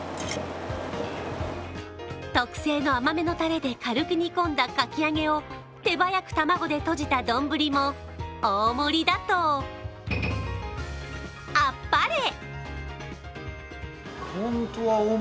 特製の甘めのタレで軽く煮込んだかき揚げを手早く卵でとじた丼も、大盛りだと、アッパレ！